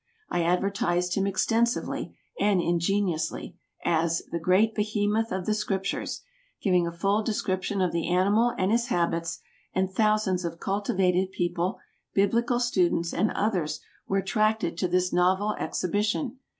I advertised him extensively and ingeniously, as "the great behemoth of the Scriptures," giving a full description of the animal and his habits, and thousands of cultivated people, biblical students, and others, were attracted to this novel exhibition.